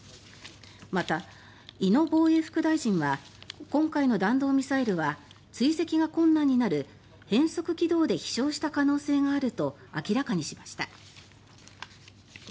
また、井野防衛副大臣は今回の弾道ミサイルは追跡が困難になる変則軌道で飛翔した可能性があると明らかにしました。